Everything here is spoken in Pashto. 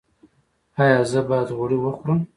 ایا زه باید غوړي وخورم؟